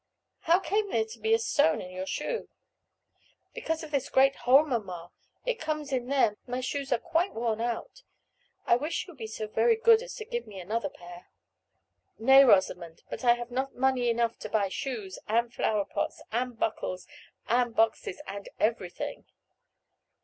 "How came there to be a stone in your shoe?" "Because of this great hole, mamma, it comes in there; my shoes are quite worn out. I wish you would be so very good as to give me another pair." "Nay, Rosamond, but I have not money enough to buy shoes, and flower pots, and buckles, and boxes, and everything."